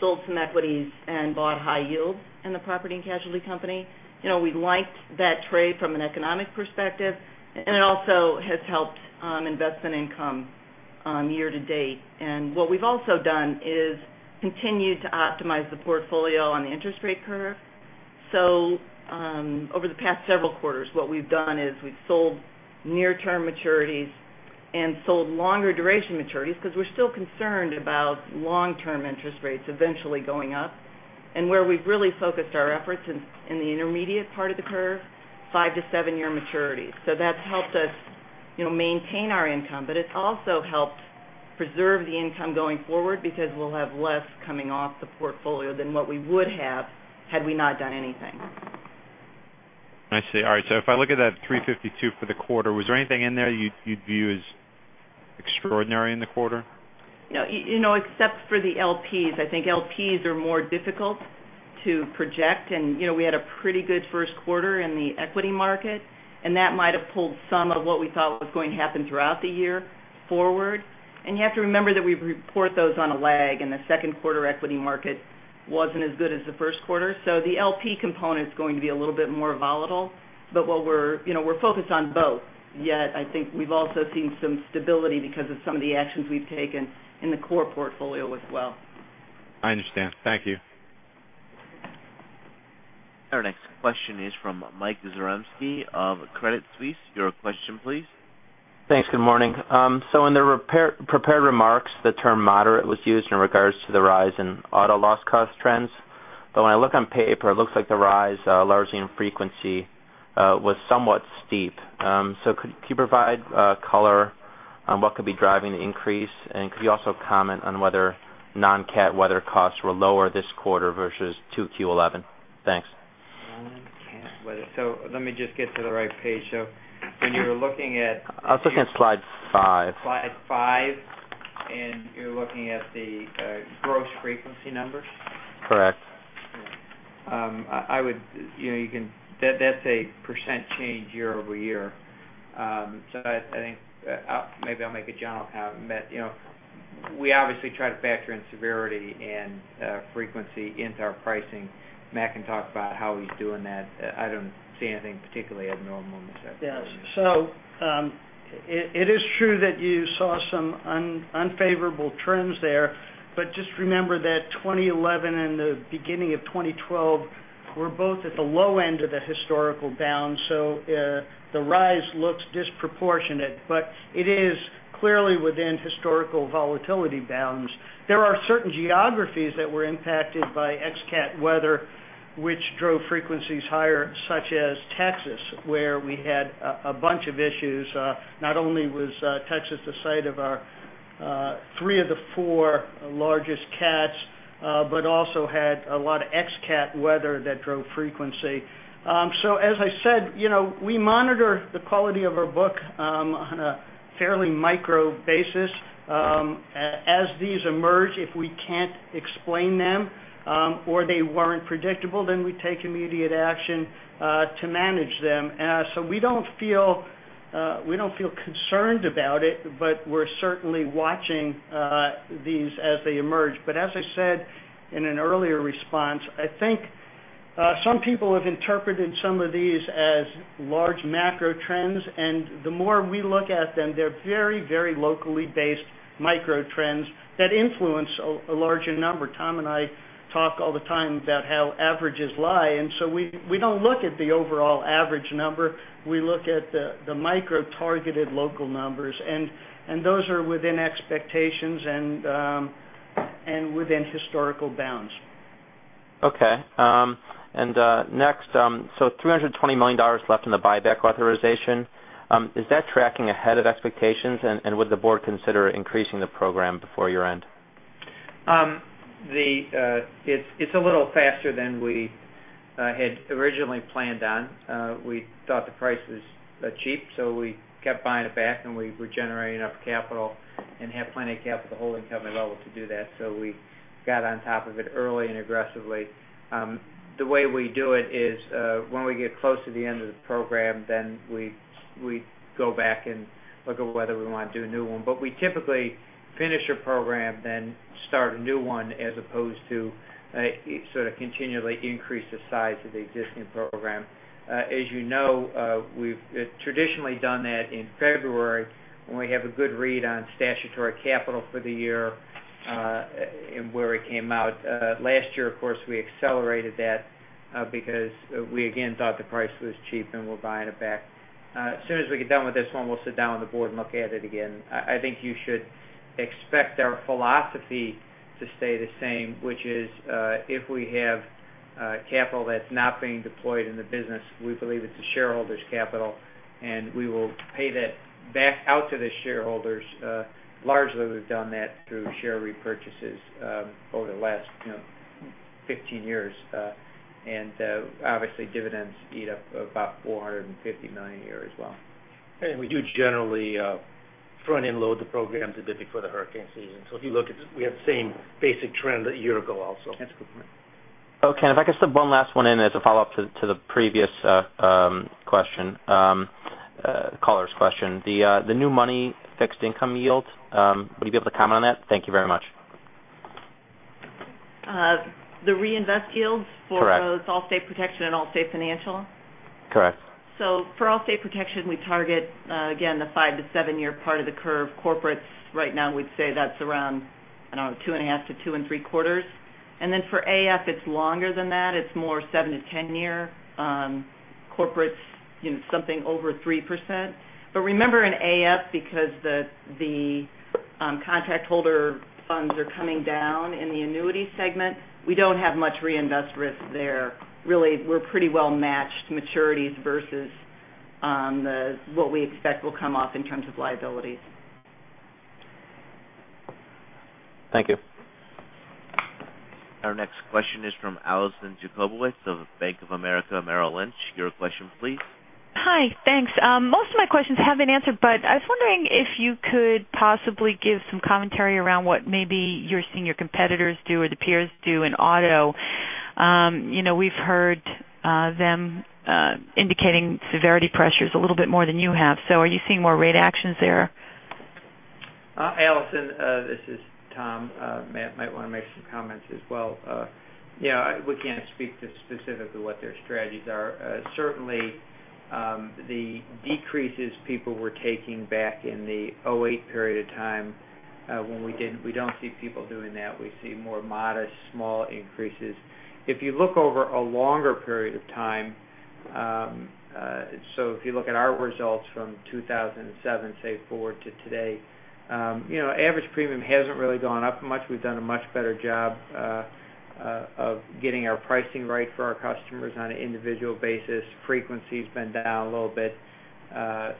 sold some equities and bought high yields in the property and casualty company. We liked that trade from an economic perspective, and it also has helped investment income year to date. What we've also done is continued to optimize the portfolio on the interest rate curve. Over the past several quarters, what we've done is we've sold near-term maturities and sold longer duration maturities because we're still concerned about long-term interest rates eventually going up. Where we've really focused our efforts in the intermediate part of the curve, 5 to 7-year maturities. That's helped us maintain our income, but it's also helped preserve the income going forward because we'll have less coming off the portfolio than what we would have had we not done anything. I see. All right. If I look at that $352 for the quarter, was there anything in there you'd view as extraordinary in the quarter? Except for the LPs. I think LPs are more difficult to project. We had a pretty good first quarter in the equity market, and that might have pulled some of what we thought was going to happen throughout the year forward. You have to remember that we report those on a lag and the second quarter equity market wasn't as good as the first quarter. The LP component is going to be a little bit more volatile. We're focused on both, yet I think we've also seen some stability because of some of the actions we've taken in the core portfolio as well. I understand. Thank you. Our next question is from Michael Zaremski of Credit Suisse. Your question, please. Thanks. Good morning. In the prepared remarks, the term moderate was used in regards to the rise in auto loss cost trends. When I look on paper, it looks like the rise largely in frequency was somewhat steep. Could you provide color on what could be driving the increase, and could you also comment on whether non-cat weather costs were lower this quarter versus 2Q 2011? Thanks. Non-cat weather. Let me just get to the right page. When you're looking at- I was looking at slide five. Slide five, you're looking at the gross frequency numbers? Correct. That's a % change year-over-year. I think maybe I'll make a general comment. We obviously try to factor in severity and frequency into our pricing. Matt can talk about how he's doing that. I don't see anything particularly abnormal in this area. Yes. It is true that you saw some unfavorable trends there, but just remember that 2011 and the beginning of 2012 were both at the low end of the historical bound. The rise looks disproportionate, but it is clearly within historical volatility bounds. There are certain geographies that were impacted by ex-cat weather, which drove frequencies higher, such as Texas, where we had a bunch of issues. Not only was Texas the site of our three of the four largest cats, but also had a lot of ex-cat weather that drove frequency. As I said, we monitor the quality of our book on a fairly micro basis. As these emerge, if we can't explain them, or they weren't predictable, then we take immediate action to manage them. We don't feel concerned about it, but we're certainly watching these as they emerge. As I said in an earlier response, I think some people have interpreted some of these as large macro trends, and the more we look at them, they're very locally based micro trends that influence a larger number. Tom and I talk all the time about how averages lie, we don't look at the overall average number. We look at the micro-targeted local numbers, and those are within expectations and within historical bounds. Okay. $320 million left in the buyback authorization. Is that tracking ahead of expectations? Would the board consider increasing the program before year-end? It's a little faster than we had originally planned on. We thought the price was cheap, we kept buying it back, and we're generating enough capital and have plenty of capital holding company level to do that. We got on top of it early and aggressively. The way we do it is, when we get close to the end of the program, then we go back and look at whether we want to do a new one. We typically finish a program, then start a new one, as opposed to sort of continually increase the size of the existing program. As you know, we've traditionally done that in February when we have a good read on statutory capital for the year and where it came out. Last year, of course, we accelerated that because we again thought the price was cheap and we're buying it back. As soon as we get done with this one, we'll sit down with the board and look at it again. I think you should expect our philosophy to stay the same, which is, if we have capital that's not being deployed in the business, we believe it's a shareholder's capital, and we will pay that back out to the shareholders. Largely, we've done that through share repurchases over the last 15 years. Obviously, dividends eat up about $450 million a year as well. We do generally front-end load the programs a bit before the hurricane season. If you look at it, we have the same basic trend one year ago also. That's a good point. Okay. If I can slip one last one in as a follow-up to the previous caller's question. The new money fixed income yield, will you be able to comment on that? Thank you very much. The reinvest yields- Correct for both Allstate Protection and Allstate Financial? Correct. For Allstate Protection, we target, again, the five to seven-year part of the curve corporates. Right now, we'd say that's around, I don't know, two and a half%-two and three quarters%. Then for AF, it's longer than that. It's more seven to 10-year corporates, something over 3%. Remember in AF, because the contract holder funds are coming down in the annuity segment, we don't have much reinvest risk there. Really, we're pretty well matched maturities versus what we expect will come off in terms of liabilities. Thank you. Our next question is from Alison Jacobowitz of Bank of America, Merrill Lynch. Your question please. Hi. Thanks. Most of my questions have been answered, I was wondering if you could possibly give some commentary around what maybe you're seeing your competitors do or the peers do in auto. We've heard them indicating severity pressures a little bit more than you have. Are you seeing more rate actions there? Alison, this is Tom. Matt might want to make some comments as well. We can't speak to specifically what their strategies are. Certainly, the decreases people were taking back in the 2008 period of time, we don't see people doing that. We see more modest, small increases. If you look over a longer period of time, so if you look at our results from 2007, say, forward to today, average premium hasn't really gone up much. We've done a much better job of getting our pricing right for our customers on an individual basis. Frequency's been down a little bit.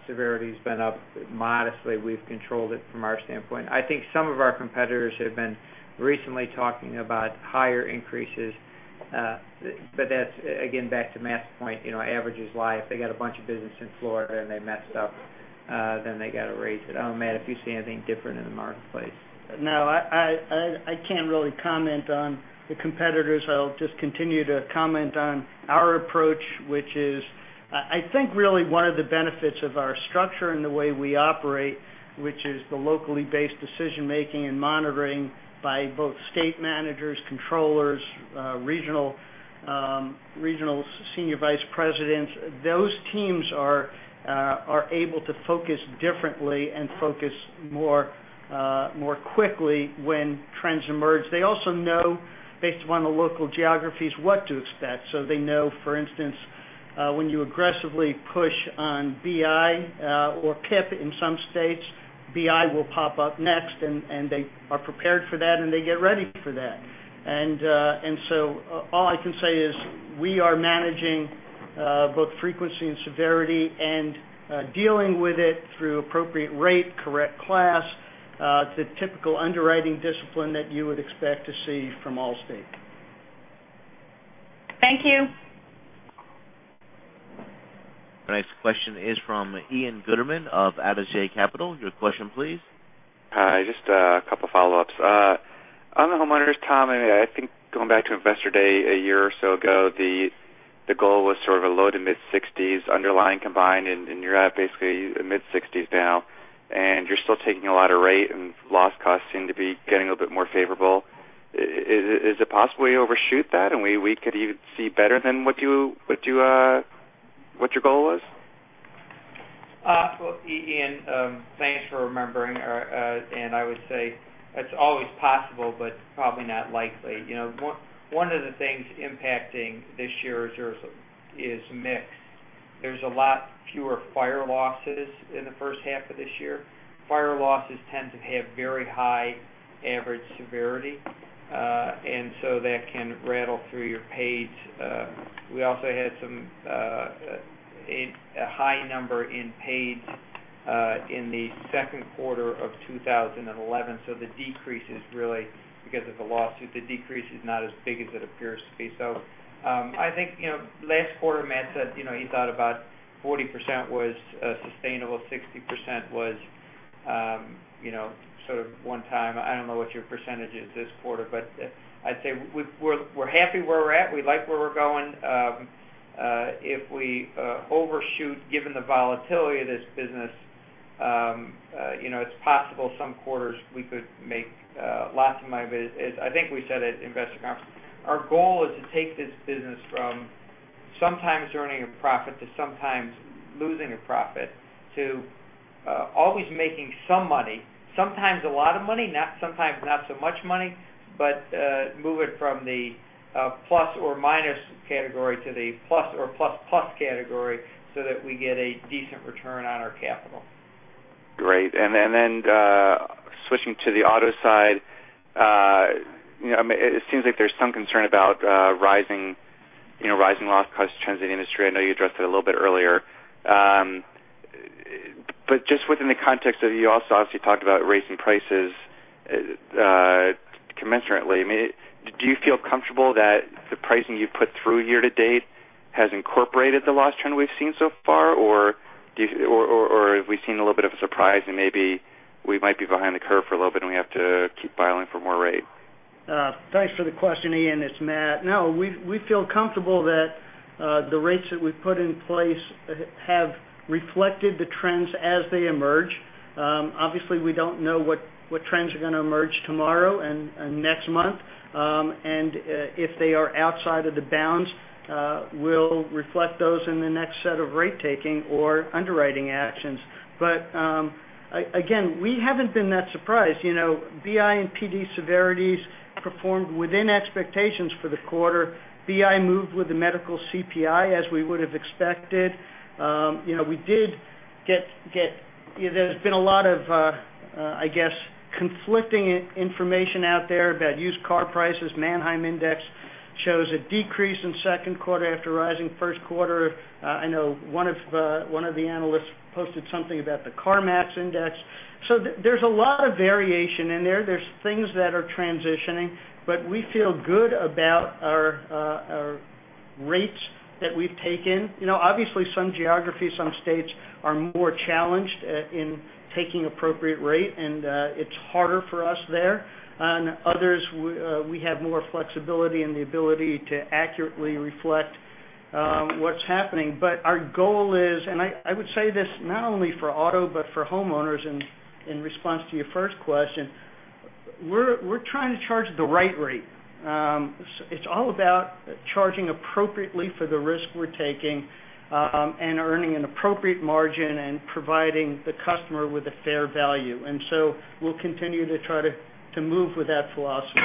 Severity's been up modestly. We've controlled it from our standpoint. I think some of our competitors have been recently talking about higher increases. That's again, back to Matt's point, averages lie. If they got a bunch of business in Florida and they messed up, then they got to raise it. I don't know, Matt, if you see anything different in the marketplace. No, I can't really comment on the competitors. I'll just continue to comment on our approach, which is I think really one of the benefits of our structure and the way we operate, which is the locally based decision-making and monitoring by both state managers, controllers, regional senior vice presidents. Those teams are able to focus differently and focus more quickly when trends emerge. They also know based upon the local geographies what to expect. They know, for instance, when you aggressively push on BI or PIP in some states, BI will pop up next, and they are prepared for that, and they get ready for that. All I can say is we are managing both frequency and severity and dealing with it through appropriate rate, correct class, the typical underwriting discipline that you would expect to see from Allstate. Thank you. Our next question is from Ian Gutterman of Adage Capital. Your question, please. Hi, just a couple of follow-ups. On the homeowners, Tom, I think going back to Investor Day a year or so ago, the goal was sort of a low to mid-60s underlying combined, and you're at basically mid-60s now, and you're still taking a lot of rate and loss costs seem to be getting a bit more favorable. Is it possible you overshoot that, and we could even see better than what your goal was? Well, Ian, thanks for remembering. I would say it's always possible, but probably not likely. One of the things impacting this year is mix. There's a lot fewer fire losses in the first half of this year. Fire losses tend to have very high average severity. That can rattle through your pays. We also had a high number in pays in the second quarter of 2011, because of the lawsuit, the decrease is not as big as it appears to be. I think, last quarter Matt said he thought about 40% was sustainable, 60% was sort of one time. I don't know what your percentage is this quarter, but I'd say we're happy where we're at. We like where we're going. If we overshoot, given the volatility of this business, it's possible some quarters we could make lots of money, but I think we said at Investor Conference, our goal is to take this business from sometimes earning a profit to sometimes losing a profit, to always making some money, sometimes a lot of money, sometimes not so much money, but move it from the plus or minus category to the plus or plus plus category so that we get a decent return on our capital. Great. Switching to the auto side, it seems like there's some concern about rising loss cost trends in the industry. I know you addressed it a little bit earlier. Just within the context of, you also obviously talked about raising prices commensurately. Do you feel comfortable that the pricing you've put through year-to-date has incorporated the loss trend we've seen so far? Have we seen a little bit of a surprise and maybe we might be behind the curve for a little bit, and we have to keep filing for more rate? Thanks for the question, Ian. It's Matt. We feel comfortable that the rates that we've put in place have reflected the trends as they emerge. Obviously, we don't know what trends are going to emerge tomorrow and next month. If they are outside of the bounds, we'll reflect those in the next set of rate taking or underwriting actions. Again, we haven't been that surprised. BI and PD severities performed within expectations for the quarter. BI moved with the medical CPI as we would have expected. There's been a lot of conflicting information out there about used car prices. Manheim Index shows a decrease in second quarter after rising first quarter. I know one of the analysts posted something about the CarMax index. There's a lot of variation in there. There's things that are transitioning, but we feel good about our rates that we've taken. Obviously, some geographies, some states are more challenged in taking appropriate rate, and it's harder for us there. On others, we have more flexibility and the ability to accurately reflect what's happening. Our goal is, and I would say this not only for auto, but for homeowners and in response to your first question, we're trying to charge the right rate. It's all about charging appropriately for the risk we're taking and earning an appropriate margin and providing the customer with a fair value. We'll continue to try to move with that philosophy.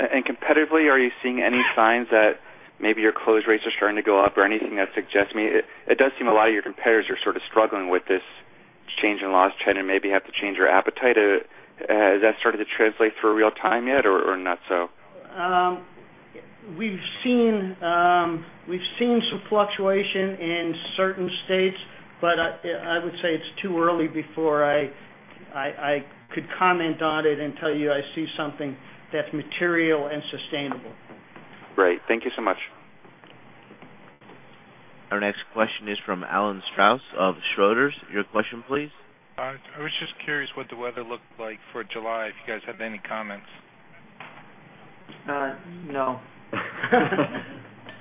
Competitively, are you seeing any signs that maybe your close rates are starting to go up or anything that suggests? It does seem a lot of your competitors are sort of struggling with this change in loss trend and maybe have to change their appetite. Has that started to translate for real yet or not so? We've seen some fluctuation in certain states, but I would say it's too early before I could comment on it and tell you I see something that's material and sustainable. Great. Thank you so much. Our next question is from Alan Strauss of Schroders. Your question, please. I was just curious what the weather looked like for July, if you guys have any comments. No.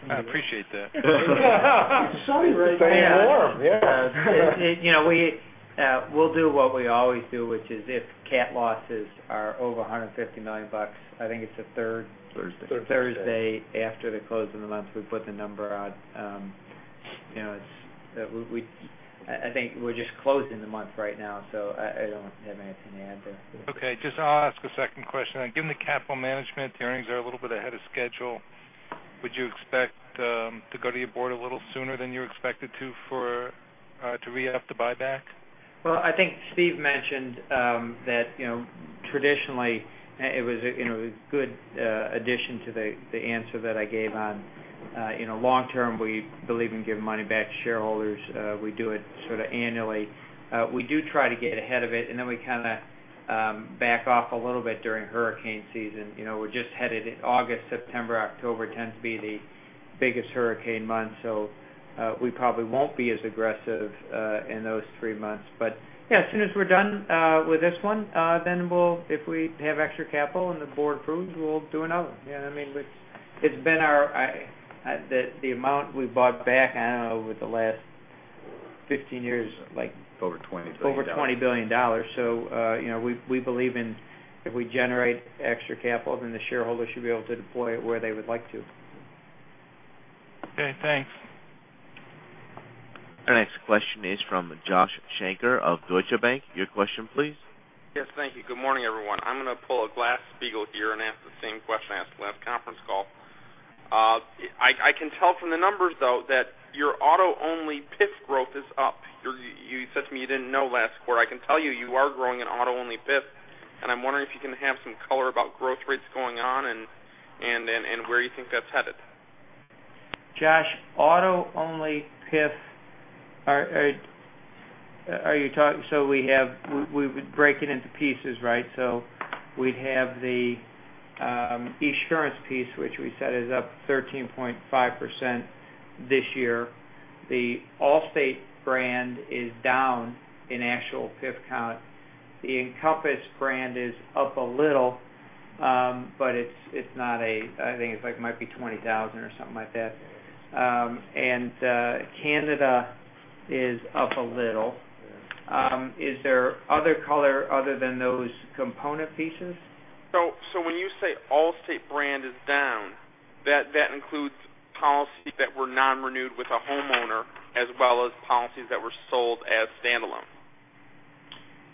I appreciate that. It's sunny right now. It's warm, yeah. We'll do what we always do, which is if cat losses are over $150 million, I think it's the third- Thursday Thursday after the close of the month, we put the number out. I think we're just closing the month right now, so I don't have anything to add there. Okay, I'll just ask a second question then. Given the capital management, the earnings are a little bit ahead of schedule. Would you expect to go to your board a little sooner than you expected to re-up the buyback? Well, I think Steve mentioned that traditionally it was a good addition to the answer that I gave on long term, we believe in giving money back to shareholders. We do it sort of annually. We do try to get ahead of it, and then we kind of back off a little bit during hurricane season. We are just headed in August, September, October tends to be the biggest hurricane month. We probably won't be as aggressive in those three months. Yeah, as soon as we're done with this one, if we have extra capital and the board approves, we'll do another one. Yeah, it's been our the amount we bought back, I don't know, over the last 15 years, like Over $20 billion over $20 billion. We believe in if we generate extra capital, the shareholders should be able to deploy it where they would like to. Okay, thanks. Our next question is from Joshua Shanker of Deutsche Bank. Your question, please. Yes, thank you. Good morning, everyone. I'm going to pull a Glasspiegel here and ask the same question I asked last conference call. I can tell from the numbers, though, that your auto-only PIF growth is up. You said to me you didn't know last quarter. I can tell you are growing in auto-only PIF, and I'm wondering if you can have some color about growth rates going on and where you think that's headed. Josh, auto-only PIF. We would break it into pieces. We'd have the Esurance piece, which we said is up 13.5% this year. The Allstate brand is down in actual PIF count. The Encompass brand is up a little, but I think it might be 20,000 or something like that. Canada is up a little. Is there other color other than those component pieces? When you say Allstate brand is down, that includes policies that were non-renewed with a homeowner, as well as policies that were sold as standalone?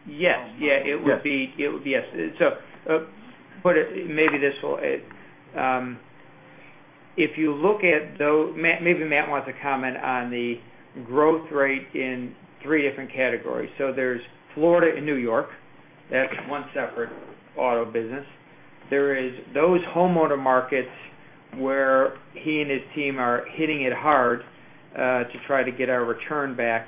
Yes. Yes. Yes. Maybe Matt wants to comment on the growth rate in three different categories. There's Florida and New York. That's one separate auto business. There is those homeowner markets where he and his team are hitting it hard to try to get our return back.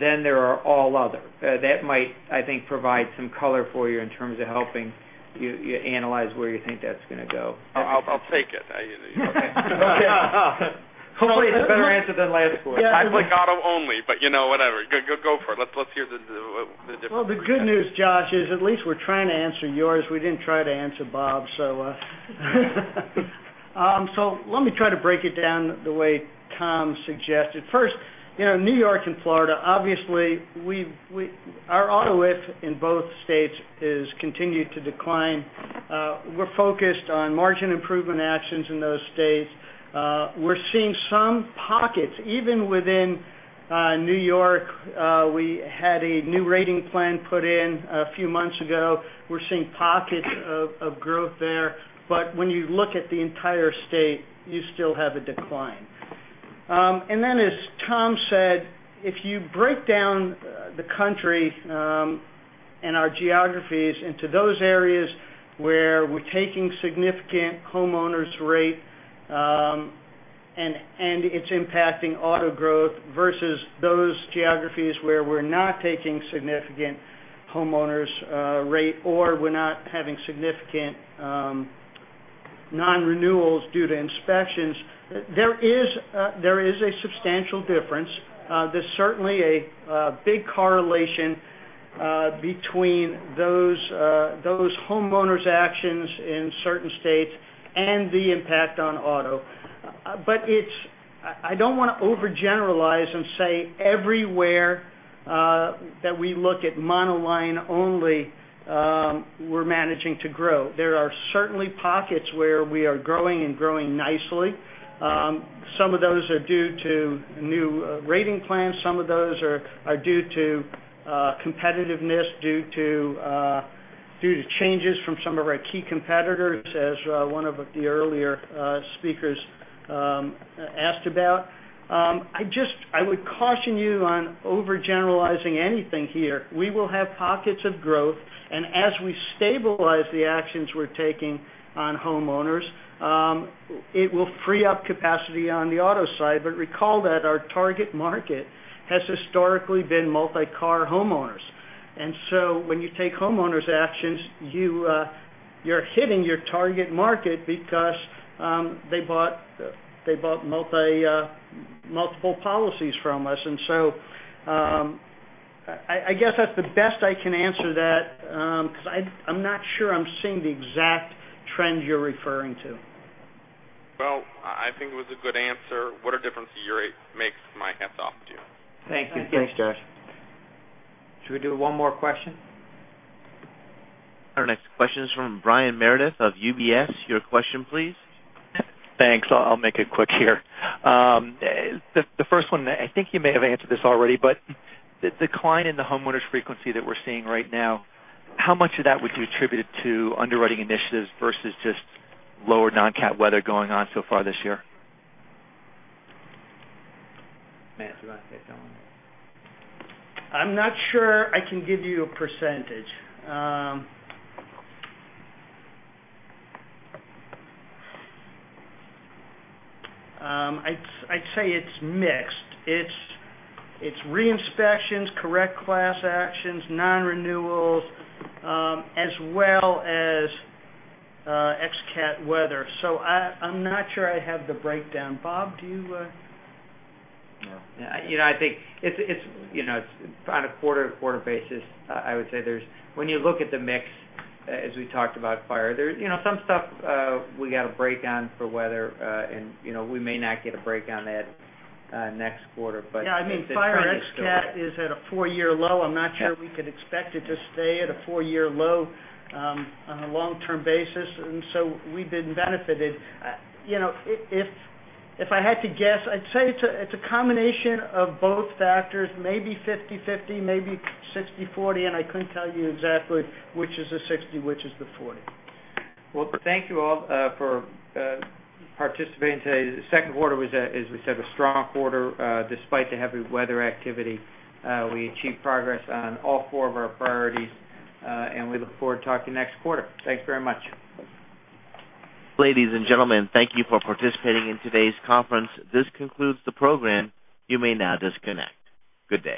There are all other. That might, I think, provide some color for you in terms of helping you analyze where you think that's going to go. I'll take it. Okay. Hopefully, it's a better answer than last quarter. I'd like auto only, whatever. Go for it. Let's hear the difference. Well, the good news, Josh, is at least we're trying to answer yours. We didn't try to answer Bob's. Let me try to break it down the way Tom suggested. First, New York and Florida, obviously, our auto if in both states has continued to decline. We're focused on margin improvement actions in those states. We're seeing some pockets, even within New York. We had a new rating plan put in a few months ago. We're seeing pockets of growth there. When you look at the entire state, you still have a decline. Then, as Tom said, if you break down the country and our geographies into those areas where we're taking significant homeowners rate and it's impacting auto growth versus those geographies where we're not taking significant homeowners rate, or we're not having significant non-renewals due to inspections, there is a substantial difference. There's certainly a big correlation between those homeowners' actions in certain states and the impact on auto. I don't want to overgeneralize and say everywhere that we look at monoline only, we're managing to grow. There are certainly pockets where we are growing and growing nicely. Some of those are due to new rating plans. Some of those are due to competitiveness due to changes from some of our key competitors, as one of the earlier speakers asked about. I would caution you on overgeneralizing anything here. We will have pockets of growth, and as we stabilize the actions we're taking on homeowners, it will free up capacity on the auto side. Recall that our target market has historically been multi-car homeowners. When you take homeowners' actions, you're hitting your target market because they bought multiple policies from us. I guess that's the best I can answer that because I'm not sure I'm seeing the exact trend you're referring to. Well, I think it was a good answer. What a difference a year makes. My hat's off to you. Thank you. Thanks, Josh. Should we do one more question? Our next question is from Brian Meredith of UBS. Your question, please. Thanks. I'll make it quick here. The first one, I think you may have answered this already, the decline in the homeowners' frequency that we're seeing right now, how much of that would you attribute it to underwriting initiatives versus just lower non-cat weather going on so far this year? Matt, do you want to take that one? I'm not sure I can give you a percentage. I'd say it's mixed. It's re-inspections, correct class actions, non-renewals, as well as ex-cat weather. I'm not sure I have the breakdown. Bob, do you? No. I think it's on a quarter-to-quarter basis. I would say when you look at the mix, as we talked about fire, some stuff we got a break on for weather, and we may not get a break on that next quarter. The trend is still there. Yeah. Fire ex-cat is at a four-year low. I'm not sure we could expect it to stay at a four-year low on a long-term basis. We've been benefited. If I had to guess, I'd say it's a combination of both factors, maybe 50/50, maybe 60/40, and I couldn't tell you exactly which is the 60, which is the 40. Well, thank you all for participating today. The second quarter was, as we said, a strong quarter despite the heavy weather activity. We achieved progress on all four of our priorities, and we look forward to talking next quarter. Thanks very much. Ladies and gentlemen, thank you for participating in today's conference. This concludes the program. You may now disconnect. Good day.